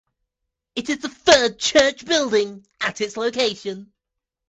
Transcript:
It is the third church building at this location.